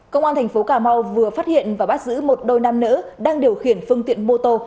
công an thành phố cà mau vừa phát hiện và bắt giữ một đôi nam nữ đang điều khiển phương tiện mô tô